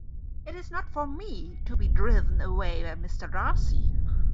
It is not for me to be driven away by Mr. Darcy.